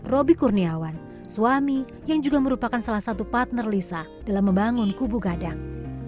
roby kurniawan suami yang juga merupakan salah satu partner lisa dalam membangun kubu gadang